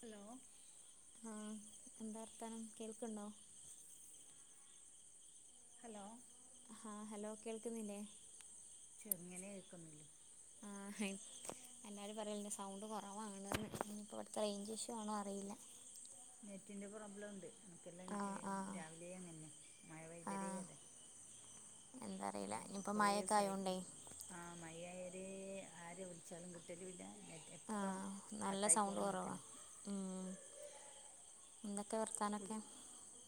Hello ആ എന്താ വർത്താനം കേൾക്ക്ണ്ടോ ഹലോ ഹാ ഹെലോ കേൾക്കുന്നില്ലേ ചെറുങ്ങനെ കേൾക്കുന്നുല്ലു ആഹ് എല്ലാരും പറയൽണ്ട്, സൗണ്ട് കൊറവാണ്ന്ന്. ഇനിപ്പൊ വട്ത്തെ റൈഞ്ചി ഷ്യു ആണോ അറിയില്ല നെറ്റിൻ്റെ പ്രോബ്ലം ഉണ്ട് എനക്കെല്ലാം ആ ആ രാവിലെ അങ്ങനെന്നെ മഴ ആ പൈയ്തരേ അതെ എന്താ അറിയില്ല ഉം ഇനിയിപ്പോൾ മഴയൊക്കെ കൊറേസായിഉം ആയതുകൊണ്ടേ ആഹ് മയായാല് ആര് വിൾച്ചാലും കിട്ടലുല്ല, നെറ്റ് പ്പം കട്ടായിക്കോണ്ട് നിക്കന്നെ ഉം എന്തൊക്കെ വർത്താനൊക്കെ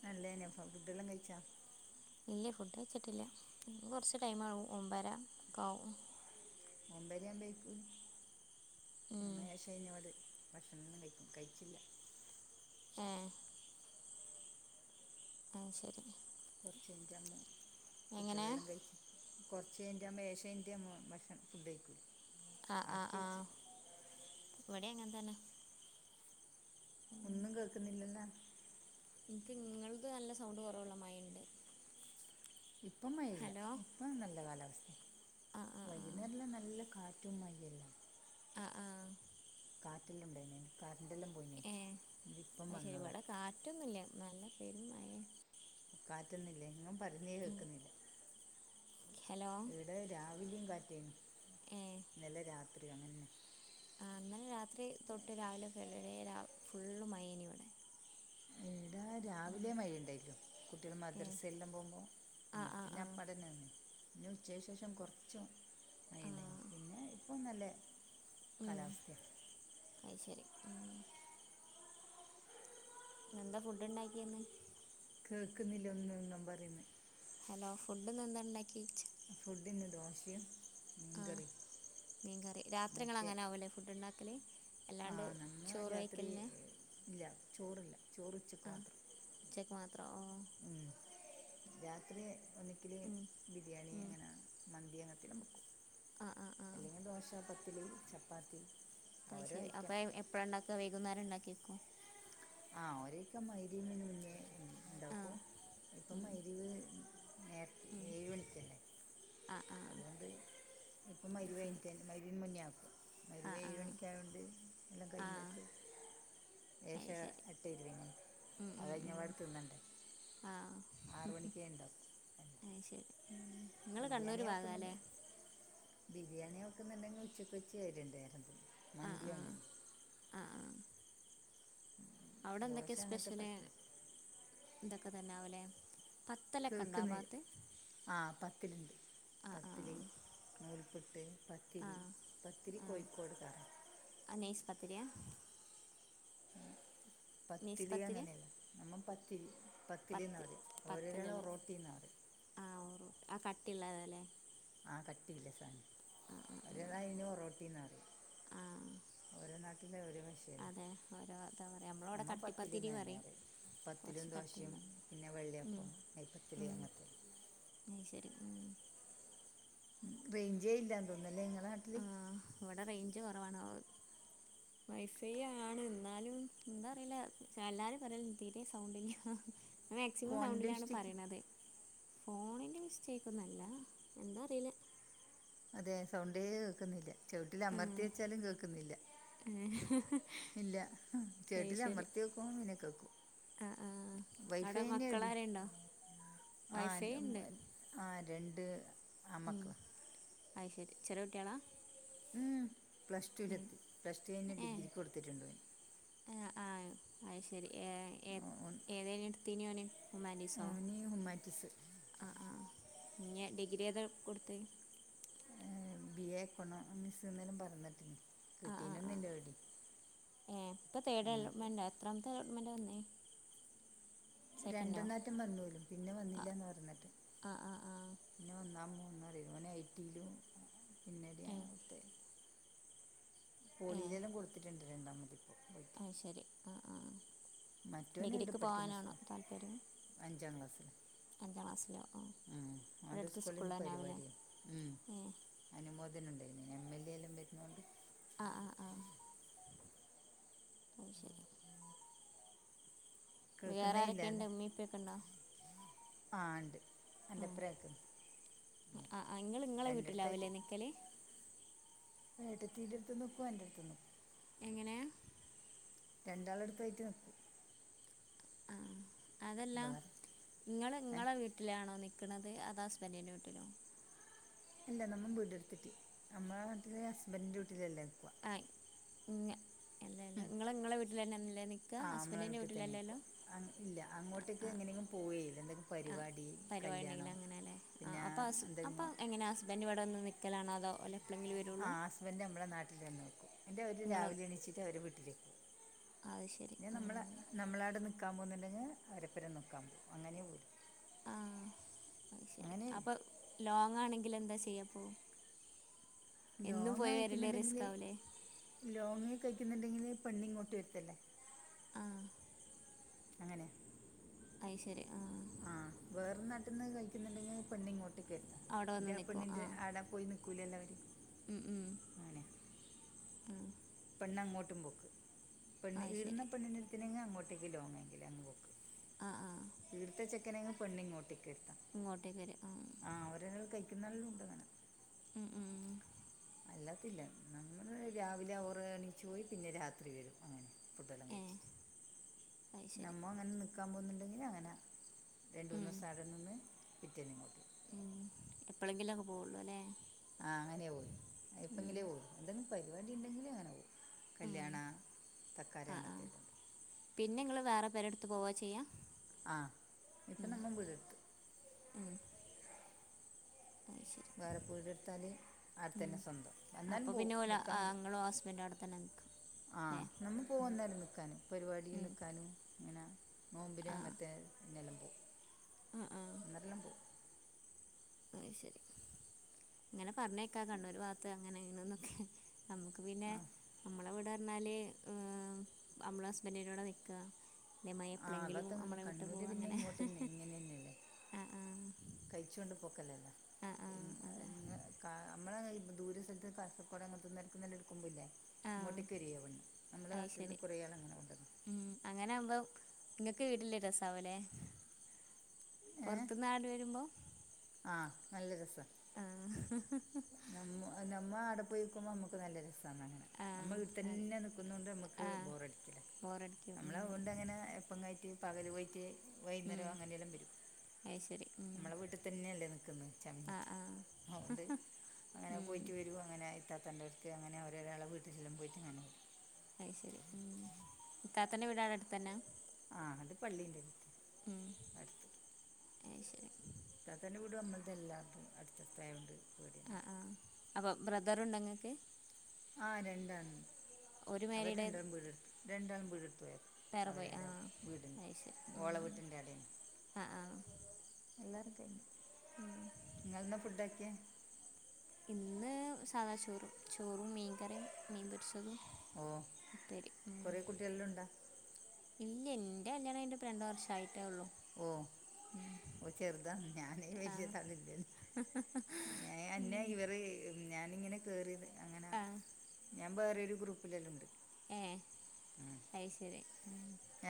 നല്ലേന്നെ ഫ ഫുഡ്ടെല്ലം കഴിച്ചാ ഇല്ല ഫുഡ് കഴിച്ചിട്ടില്ല, ഇനി കൊർച്ച് ടൈമാവും, ഒമ്പേര ഒക്കാവും ഒമ്പേരയാവുമ്പോയേക്കും ഞമ്മ ഏശ കയ്ഞ്ഞ പാട് ഭക്ഷണന്നെ കൈക്കും കയ്ച്ചില്ല ഏഹ് അത് ശരി കൊർച് കഴിഞ്ഞ ട്ടമ്മ എങ്ങനെ കുട്ട്യളെല്ലം കഴിച്ച് കൊർച്ചയ്ഞ്ഞിട്ടാമ്പോ ഏഷ കൈൻറ്റ് ഞമ് ഭക്ഷ ഫുഡ് കഴിക്കൂലേ ആഹ് ആഹ് ആഹ് വടിം അങ്ങൻ തന്നെ ഒന്നും കേക്ക്ന്നില്ലല്ലോ ഇന്ക്ക്ങ്ങൾത് നല്ല സൗണ്ട് കൊറവുള്ള മാരി ഉണ്ട് ഇപ്പം മഴയില്ല, ഹലോ ഇപ്പം നല്ല കാലാവസ്ഥയ ആ ആ വൈകുന്നേരല്ലാം നല്ല കാറ്റ് റ്റും മയ്യും ല്ലേ അഹ് ആഹ് കാറ്റെല്ലൊണ്ടേന്നെയ്ന് കര്ന്റെല്ലം ഏഹ് അത് ശരി വടെ കാറ്റൊന്നുല്യ. നല്ല പെരു മഴേനി കാറ്റൊന്നില്ലേ ങ്ങ പറിയ്ന്നേ കേക്കുന്നില്ല. ഹലോ ഇടെ രാവില്യും കാറ്റെനി ഏ ന്നലെ രാത്രി അങ്ങന്നെ ആഹ് ന്നലെ രാത് രാത്രി തൊട്ട് രാവിലെ [unintelligible] ഫുള്ള് മയേനിവടെ. ഈടാ രാവിലെ മഴണ്ടായില്ലു. കുട്ടികൾ ഏ മദ്രസയെല്ലാം പോകുമ്പോ ആ അന്നേരം ആ പിന്നെ ആ അ [unintelligible] പിന്നെ ഉച്ചയ് ശേഷം കൊർച്ചും - - ആ അയെന്നെ പിന്നെ ഇപ്പോം നല്ല കാലാവസ്ഥയ അയ് ശരി ഉം ന്നെന്താ ഫുഡ് ണ്ടാക്കിയെ ന്ന് കേൾക്കുന്നില്ലെ ന്നും ന്നമ്പറിന്നെ ഹെലോ ഫുഡ്ഡ്ന്നെന്താണ്ടാക്കിച്ച് ഫുഡിന്ന് ദോശയും ആഹ് മീൻകറിയും മീൻ കറി, രാത്രിങ്ങളങ്ങനാവൂലേ ഫുഡ്ണ്ടാക്കല് ആഹ് നമ്മ രാത്രി ഇല്ല ചോറില്ല ചോറ് ഉച്ചക്ക് മാത്രം. ഉച്ചക്ക് മാത്രൊ ഓഹ് ഉം രാത്രി ഒന്നിക്കില് ഉം ബിരിയാണി ഉം അങ്ങനാണ് മന്തിയങ്ങത്തെല്ലം മെക്കും ആ ആ അഹ് അല്ലെങ്കി ദോശ, പ്പത്തിലി, ചപ്പാത്തി ഓരോ അയ്ശരി അപ്പ ഐറ്റം എപ്പഴാണ്ടാക്ക വൈകുന്നേരണ്ടാക്യക്കോ ആ ഒരേക്ക മഗ്‌രിബിന്‌ മുന്നേ ഉം ണ്ടാക്കും ആ ഇപ്പം ഉം മയ്രിബ് നേര്ത് ഉം ഏഴ് മണിക്കല്ലേ ആ ആ അതുകൊണ്ട് ഇപ്പം അത് ശരി മയ്രിബയ്ഞ്ഞിട്ടെൻ മയ്രിബിന്‌ മുന്നേ ആകും. ആ മയ്രിബേഴ് ആ മണിക്കായോണ്ട് എല്ലം ആ കൈയുമ്പൾക്ക് ഏഷ അത് ശരി എട്ടെ ഇരുവിന് ഉം അത് ഉം ഉം കഴിഞപാടെ തിന്നണ്ടേ. ആ ആറ് മണിക്കേണ്ടാക്കും അയ് ശരി ഉം ബിരിയാണി ഒക്കുന്നുണ്ട്, ബിരിയാണി ഒക്കുന്നുണ്ടെങ്കിൽ ഉച്ചക്ക് വച്ച രണ്ട്നേരം തിന്നും മന്തിയും അങ്ങൻ അഹ് ആഹ് ഔടെന്തൊക്കെ ദോശ അങ്ങനത്തെ സ്പെഷ്യല്, പത്തിന് തൊക്കെ തന്നാവുലേ കേക്കുന്നി, ആഹ് പത്തില്ണ്ട് ആ ആ പത്തില് നൂൽപുട്ട്, പത്തിരി, പത്തിരി കോഴിക്കോട് കാര അ നൈസ് പത്തിരിയ നെയ്സ് പത്തിലി പത്തിരി അങ്ങനെയല്ല നമ്മൾ പത്തി പത്തിലിന്ന പത്ത് പറ്യ, ഓരോരളും ഒറോട്ടിന്നറ്യും ആഹ് ഓറു ആ കട്ടിള്ളതല്ലേ ആ കട്ടില്ല സാനം [unintelligible] ഒറോട്ടിന്ന്റിയും ആ ആ ഓരോ നാട്ടില് ഒരോ വശ് അതെ ഓരോ എത്താ പറയാ, നമ്മള്വടെ കട്ടിപ്പത്തിരി പത്തിലെന്ന് തന്നെ പറിം അറിയും പത്തിലും ദോശയും പിന്നെ വെള്ളിയപ്പം നെയ്പ്പത്തിലി അങ്ങത്തെ അയ് ശരി ഉം റേഞ്ചേ ഇല്ല തോന്നുന്നല്ലേ ഇങ്ങളെ ആ ഇവിടെ റൈഞ്ച് കൊറവാണോൾ വൈഫൈയ്യാണ്, ന്നാലും എന്താ അറീല, എല്ലാരും പറയല് തീരെ സൗണ്ടില്ല മാക്സിമം ഫോണിൻ്റെ സൗണ്ടിലാണ് ഇഷ്ടിക്ക പറയണത് ഫോണിന്റെ മിസ്റ്റേക്ക് ഒന്നുംല്ല എന്താ അറീല അതെ സൗണ്ടേ കേക്കുന്നില്ല ചെവിട്ടിലമർത്തി ആ വെച്ചാലും കേക്കുന്നില്ല ഏ ഇല്ല അത് ശരി ചേട്ടിലമർത്തി വെക്കുംമ്പം പിന്നെ കേക്കും ആ ആ അവിടെ വൈഫൈ തന്നെയാടി മക്കളാരുണ്ടോ ആഹ് വൈഫൈ എന്റെ ഉണ്ട് ഉമ്മ ആഹ് രണ്ട് ആൺ ഉം മക്കളാ അത് ശെരി ചെറിയ കുട്ടികളാ ഉം പ്ലസ്ടുവിലെത്തി പ്ലസ്ടു കഴിഞ്ഞു ഡിഗ്രിക്കു കൊടുത്തിട്ടുണ്ട്. ആഹ് ആഹ് അത് ശെരി ഏഹ് ഓന് ഏതേനു എടുത്തീന് അവന് ഹുമാന്റീസോ ഓന് ഹ്യൂമാനിറ്റീസ് ആഹ് ആഹ് ഇനി ഡിഗ്രി ഏതാ കൊടുത്തെ ഉം ബിഎ എക്കണോമിസ് എന്തേലും പറഞ്ഞിട്ടിന് ആഹ് ആഹ് കിട്ടീനൊന്നുമില്ല എവിടെയും ആഹ് ഇപ്പം തേർഡ് ഉം. അലോട്മെന്റ് ആ എത്രാമത്തെ അലോട്മെന്റാ വന്നേ. രണ്ടു സെക്കൻഡോ നേറ്റം വന്നോലും പിന്നെ ആ വന്നില്ലാ ഓരോന്നിട്ട് പറഞ്ഞിട്ട് ആ ആ ആ പിന്നെ ഒന്നാം മൂന്നാ അറിയനെ ഓന് ഐടിയിലും ഏഹ് പോളിയിലെല്ലാം കൊടുത്തിട്ടുണ്ട് രണ്ടാമത് ഇപ്പോ. അത് ശരി ആഹ് ആഹ് ആഹ് മറ്റോനും ഇവിടെ പഠിക്കുന്ന സ്കൂൾ അഞ്ചാം ക്ലാസ്സിൽ. അഞ്ചാം ക്ലാസ്സിലോ ആ ഉം ഓന്റെ അടുത്ത സ്കൂളിൽ സ്കൂളിന്ന് തന്നെയാവില്ലേ പരിപാടിയാ ഉം ഏ അനുമോദനം ഉണ്ട്‌ എം എൽ എ എല്ലാം വരുന്നോണ്ട്. ആഹ് ആഹ് ആഹ് അഥ് ശരി. വേറെ കേക്കുന്നേ ആരൊക്കെയുണ്ട് ഇല്ലാലെ ഉമ്മയും ഉപ്പയൊക്കെ ഉണ്ടോ ആഹ് ഇണ്ട്. എന്റെപ്രാക്ക് ആ ആ നിങ്ങൾ നിങ്ങളെ രണ്ടടുത്തായിട്ട്. വീട്ടിലാവില്ലേ നിൽക്കൽ ഏട്ടത്തിയുടെഅടുത്തും നിൽക്കും എന്റടുത്തും നിൽക്കും. എങ്ങനെയാ. രണ്ടാളും അടുത്തായിട്ടു നിൽക്കും. അതല്ലാ വേറെ ഇങ്ങള് ഏ ഇങ്ങളെ വീട്ടിലാണോ നിക്കണത് അതോ ഹസ്ബെൻഡിൻ്റെ വീട്ടിലോ ഇല്ല നമ്മള് വീട് എടുത്തിട്ട് നമ്മുടെ നാട്ടില് ഹസ്ബൻഡിൻ്റെ വീട്ടിലല്ലേ നിക്കുവാ. ആഹ് ഇങ്ങെ എന്തെ. ഇങ്ങള് ഇങ്ങളെ വീട്ടിൽ തന്നെല്ലേ നിക്കാ ആ നമ്മളെ ഹസ്ബൻഡിൻ്റെ വീട്ടിൽ തന്നെ വീട്ടിലല്ലല്ലോ നിൽക്കുക ഇല്ല ആഹ് അങ്ങോട്ടേക്ക് ആഹ് എങ്ങനെയെങ്കിലും പോവുകയില്ല എന്തെങ്കിലും ആഹ് പരിപാടി പരിപാടി ഉണ്ടെങ്കിൽ കല്യാണം അങ്ങനെയാ അല്ലെ ആഹ് പിന്നെ അപ്പം അസു അപ്പംം എന്തെങ്കിലും എങ്ങനാ അസു തേന് ഇവിടെവന്ന് നിൽക്കലാണോ അതോ അല്ലേ എപ്ലെങ്കിലും വരും ആഹ് ഹസ്ബൻഡിന്റെ അമ്മെടെ നാട്ടില് തന്നെ നിൽക്കും എന്റെ അവര് ഇങ്ങള് രാവിലെ എണീച്ചിട്ട് അവര് വീട്ടിലേക്കു പോകും. അത് ശരി പിന്നെ നമ്മളെ ആഹ് നമ്മളാട് നിക്കാൻ പോന്നുണ്ടെങ്കിൽ അരപ്പുരം നിക്കാൻ പോകും അങ്ങനെ പോലും. ആഹ് അയിശെരി അങ്ങനെയല്ല അപ്പം ലോങ്ങാണെങ്കിൽ എന്താ ചെയ്യപ്പോൾ. എന്നും പോയി വരല് റിസ്ക്ക് ആവൂലെ. ലോങ്ങി കഴിക്കുന്നുണ്ടെങ്കില് പെണ്ണിങ്ങോട്ട് വരത്തില്ലേ. ആഹ് അങ്ങനെ അയിശെരി ആഹ് ആഹ് വേറെ നാട്ടിന്ന് കഴിക്കുന്നണ്ടെങ്കിൽ പെണ്ണി ഇങ്ങോട്ടേക്ക് എത്ത് അവിടെ വന്ന് എൻ്റെ നിക്കും പെണ്ണിൻ്റെ ആഹ് ആടെ പോയി ന്ന് സ്കൂളിലെ എല്ലാവരും ഉം ഉം അത് പെണ്ണങ്ങോട്ടും പോക്ക് പെണ്ണ് ശരി ഈടുന്ന പെണ്ണിന് എടുത്തില്ലെങ്കിൽ അങ്ങോട്ടേക്ക് ലോങ്ങാന്നെങ്കിൽ അങ്ങ് പോക്ക്.. ആഹ് ആഹ് ഇവിടുത്തെ ചെക്കനെങ്ങ് പെണ്ണ് ഇങ്ങോട്ടേക്ക് വരുത്താം. ഇങ്ങോട്ടേക്ക് വരും ആഹ് ആഹ് അവരവർ കഴിക്കുനെല്ലം ഉണ്ട് അങ്ങനെ. ഉം ഉം അല്ലാത്തില്ല നമ്മള് രാവിലെ അവർ എണീച്ച് പോയി പിന്നെ രാത്രി വരും അങ്ങനെ. ഫുഡെല്ലാം ഏ കഴിച്ചിട്ട് അത് ശരി നമ്മ അങ്ങനെ നിക്കാൻ പോന്നുണ്ടെങ്കിൽ അങ്ങനെ രണ്ട് മൂന്ന് ഉം, ദിവസം അവടെ നിന്ന് പിറ്റേന്ന് ഇങ്ങോട്ട് ഉം എപ്പോളെങ്കിലും അങ്ങ് പോവുള്ളു അല്ലേ ആഹ് അങ്ങനെ പോലും ഉം, ഇപ്പങ്കിലേ പോലും എന്തെങ്കിലും പരിപാടി ഉണ്ടെങ്കിലേ അങ്ങനെ പോവും ഉം. കല്യാണ തക്കാര ആ ആ അംഗത്തുണ്ട് പിന്നെ നിങ്ങള് വേറെ പെരേടുത്ത് പോവാ ചെയ്യാ ആഹ് ഇപ്പൊ നമ്മ വീട് എടുത്ത് ഉം. അത് ശെരി വേറെ വീട് എടുത്താല് അടുത്ത തന്നെ സ്വന്തം എന്നാലും അപ്പോൾ പോവും പിന്നെ ഓല നിൽക്കാൻ പോവും നിങ്ങളും ഹസ്ബൻഡും അവിടെ തന്നെ നിൽക്കും അല്ലേ ആഹ് നമ്മൾ പോവന്നേരം നിക്കാന് പരിപാടി ഉം. നിൽക്കാനും ഇങ്ങനെ ആ നോമ്പിനും അങ്ങനത്തെ നിലമ്പും ആ ആ എന്നട്ടെല്ലാം പോവും അത് ശെരി ഇങ്ങനെ പറഞ്ഞേക്കാം കണ്ണൂര് ഭാഗത്ത് അങ്ങനെ ഇങ്ങനെ എന്നൊക്കെ നമുക്ക് പിന്നെ ആ നമ്മളവിടെ നിന്നാല് നമ്മളെ ഹസ്ബൻഡിന്റെ കൂടെ നിക്കുക [unintelligible] ആ എപ്പഴെങ്കിലും അതൊക്കെ അങ്ങനെ നമ്മളെ വിട്ട് കണ്ണൂർ പോകും പിന്നെ അങ്ങനെ ആ ആ കഴിച്ചോണ്ട് പോക്കലല്ലോ ആ ആ അതെ നമ്മളെ ദൂരെ സ്ഥലത്ത് പക്കോട അങ്ങനെത്തിന്ന് എടുക്കുന്നില്ലേ എടുക്കുമ്പോ ഇല്ലേ ആ ഇങ്ങോട്ടേക്ക് വരും ഇറങ്ങി നമ്മുടെ അത് നാട്ടില് നി ശരി കുറെ നാൾ അങ്ങനെ ഉണ്ടെന്ന് ഉം അങ്ങനെ ആവുമ്പോ നിങ്ങക്ക് വീട്ടില് രസാവൂലേ പൊറത്ത്ന്നു ആള് വരുമ്പോ ആഹ് നല്ല രസാ ആഹ് നമ്മ നമ്മ ആടെ പോയിക്കുമ്പോൾ നമുക്ക് നല്ല രസമാണ് അങ്ങനെ ആ നമ്മള് വീട്ടി അതെ തന്നെ നിക്കുന്ന കൊണ്ട് നമ്മുക്ക് ആ ബോറടിക്കില്ല ബോറടിക്കും നമ്മള് ഉം, അതുകൊണ്ട്ങ്ങനെ എ പ്പങ്ങായീട്ട് പകല് പോയിറ്റ് ഉം, വൈകുന്നേരം അങ്ങനെയെല്ലാം വരും അത് ശരി ഉം, നമ്മളെ വീട്ടിൽ തന്നെയല്ലേ നിക്കുന്നെ ആ ചമഞ്ഞറ്റ് ആ അതുകൊണ്ട് അങ്ങനെ ഉം. പോയിട്ട് വരും അങ്ങനെ ഇത്താത്തേന്റടുത്ത് അങ്ങനെ അവരൊരാളെ വീട്ടിലും പോയിട്ട്ങ്ങനെ വരും അത് ശെരി ഇത്താത്തേന്റെ വീടവിടെ അടുത്ത് തന്നെ ആഹ് അവടെ പള്ളീണ്ട് അടുത്ത് അത് ശെരി ഇത്താത്തേന്റെ വീടും നമ്മളൾതെ എല്ലാം അടുത്തടുത്തായത് കൊണ്ട് പോരും ആഹ് അപ്പോ ബ്രദറുണ്ടൊ ഇങ്ങൾക്ക് ആഹ് രണ്ടാള് ഒരു അവർ മാരീഡ് രണ്ടുപേരും വീടെടുത്തു രണ്ടാളും വീടെടുത്തു പോയതാണ് വേറെപോയ്‌ ആഹ് അയി ശെരി ഓള വീട്ടിൻ്റെ ആഹ് ആഹ് എല്ലാരും കഴിഞ്ഞു നിങ്ങളെന്നാ ഫുഡ് ആക്കിയേ ഇന്ന് സാധാ ചോറ് ചോറും മീൻകറിയും മീൻ പൊരിച്ചതും ഓ ഉപ്പേരി ഉം കുറേ കുട്ടിയെല്ലാം ഉണ്ടാ ഇല്ല ഇന്റെ കല്യാണം കയ്ഞ്ഞിട്ടിപ്പോ രണ്ട് വർഷായിട്ടേ ഒള്ളൂ. ഓ ഓ ചെറുതാണ് ഞാ ന്നീ ആ വെല്യേത വെല്യേത- [inaudible] ഞേ എനെ ഉം ഇവറ് ഞാനിങ്ങനെ കേറിയത്- ആ ഞ വേറൊരു ഗ്രൂപ്പില്ലോം ഉണ്ട്. ഏ ഐശെരി.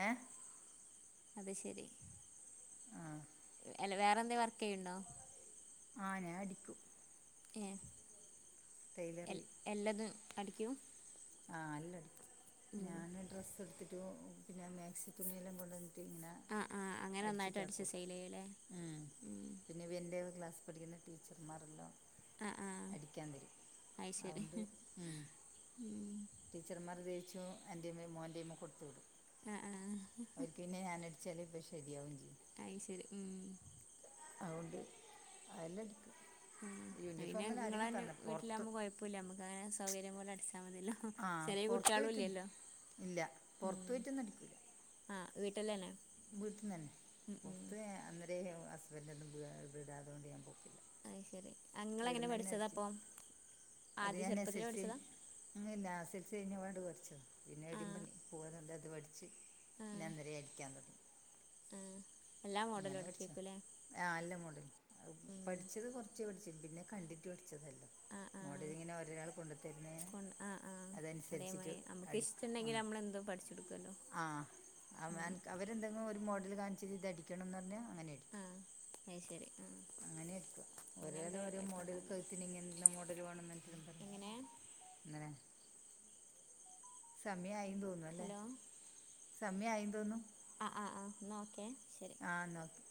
ഏ അത് ശെരി ആ അല്ല വേറെന്തേ വർക്കെയ്യുണ്ടോ? ആ ഞാ അടിക്കും. ഏ എൽ ടൈലറി എല്ലതും അടിക്കും. ആഹ എല്ലടിക്കും ഉം ഞാന് ഡ്രസ്സ് എട്ത്- ത് പിനെ മാക്സി തുണിയെല്ലാം കൊണ്ടന്ന്ട്ട് ഇങ്ങനെ- ആഹ് ആഹ് അങ്ങനൊന്നായിട്ട് അടിച്ചിട്ടാക്കി അടിച്ച് സെയ്ലെയ്യുല്ലേ. ഇവിര്ൻ്റെ ക്ലാസ് പഠിക്കുന്ന ടീച്ചർമാരുണ്ടാവും. ആ ആ അടിക്കാൻ തരും അത് ശരി അതോണ്ട് ഉം. ഉം ടീച്ചർമാരത് തൈച്ചും എന്റെമ്മെ മോന്റെമ്മ കൊടുത്തുവിടും ആ ആ അവർക്ക് പിന്നെ ഞാനെട്- ചെലേപ്പ ശെരിയാവും ചെയും. അയ്ശെരി ഉം അതൊണ്ട് അതെല്ലടിക്കും ആ യൂണിഫോമെല്ലാം ആരെങ്കിലും തന്ന പൊർത്ത്- പുലമും ക്കാര്യ സൗകര്യപോലെ അടിച്- ആ ചെറിയ പുറത്ത് പോയിട്ടൊന്നും കുട്ട്യേളുല്ലല്ലോ ഇല്ല പുറത്ത് ഉം. പോയിട്ടൊന്നും ആഹ് വീട്ട്ലെനെ. വീട്ട്ന്നെനെ പുറത്ത് അന്നരേലും ഹസ്ബൻഡ് ഒന്നും വീടാതൊണ്ട് ഞാൻ പോക്കില്ല. അയ് ശെരി ഇവിടെ അങ്ങളെങ്ങനെ നിന്ന് തന്നെ അടിച്ചു പഠിച്ചതാപ്പോ ആദ്യ ചെർപത്തില് പഠിച്ചതാ? അങ്ങ ലാസിൽച്ച് കഴിഞ്ഞപാട് പഠിച്ചോ പിന്നെ ആ എടി പ പോവാനണ്ട് അത് പഠിച്ച് പിന്നെ അന്നിരി അടിക്കാൻ തൊടങ്ങി. ആഹ് എല്ലാ മോഡലും എടിക്കേക്കും ല്ലേ. ആഹ് അല്ല മോഡലും അത് പഠിച്ചത് കൊറച്ച് പഠിച്ചിണ്ട് പിനെ കണ്ടിട്ട് പഠിച്ചതെല്ലോം. ആ ആ മോടലിങ്ങനെ ഒരെആൾ കൊണ്ട് തെര്ണെയ്ന്. കൊ ആ ആ അതനുസരിച്ചിട്ട് അതേമാതിരി നമുക്ക് അടിക്കും ഇഷ്ടമുണ്ടെങ്കിൽ ആഹ് നമ്മളെന്തും പഠിച്ചെടുക്കുമല്ലോ ആഹ് ഉം. അവൻ ക്ക്‌ അവരെന്തെങ്കിലും ഒരു മോഡൽ കാണിച്ചത് ഇതടിക്കണംന്ന് പറഞ്ഞാൽ അങ്ങനെ അടിക്കും. അയ്ശെരി ആ അങ്ങനെ അടിക്കും ഒരാൾ അങ്ങനെയാകുമ്പോൾ ഓരേ മോഡൽ കുഴപ്പമുണ്ടാവില്ല കഴ്ത്തിന് ഇങ്ങെനത്തെ മോഡൽ വേണന്നു പറഞ്ഞിട്ട് എങ്ങനെ - അങ്ങനെ സമയായി തോന്നുന്നു അല്ലെ ഹലോ സമയായി തോന്നുന്നു. അ അ ആഹ് ന്ന ഓക്കെ ശെരി. ആ ന്ന ഓക്കെ.